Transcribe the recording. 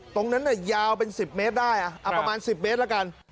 ตรงนั้นเนี่ยยาวเป็นสิบเมตรได้อ่ะประมาณสิบเมตรแล้วกัน